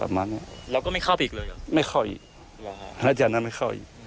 ประมาณเนี้ยเราก็ไม่เข้าไปอีกเลยเหรอไม่เข้าอีกแล้วจากนั้นไม่เข้าอีก